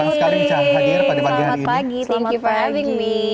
selamat pagi thank you for having me